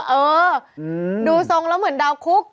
เออดูทรงแล้วเหมือนดาวคุก